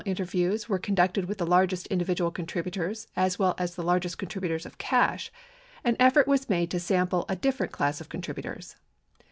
527 interviews were conducted with the largest individual contributors as well as the largest contributors of cash, an effort was made to sample a different cjass of contributors.